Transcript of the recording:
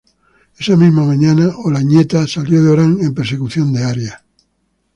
Esa misma mañana Olañeta salió de Orán en persecución de Arias.